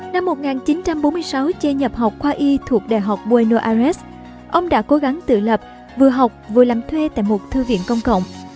năm một nghìn chín trăm bốn mươi sáu ché nhập học khoa y thuộc đại học bueno airs ông đã cố gắng tự lập vừa học vừa làm thuê tại một thư viện công cộng